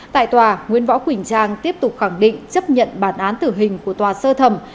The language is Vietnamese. tại tòa nguyễn võ quỳnh trang tiếp tục khẳng định chấp nhận bản án tử hình của tòa sơ thẩm